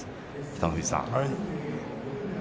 北の富士さん